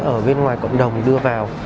ở bên ngoài cộng đồng đưa vào